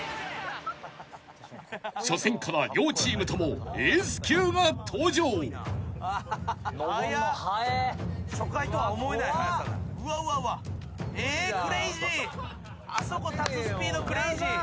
［初戦から両チームともエース級が登場］えクレイジー。